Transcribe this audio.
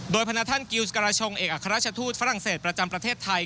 โดยพนักท่านกิวสกราชงเอกอัครราชทูตฝรั่งเศสประจำประเทศไทย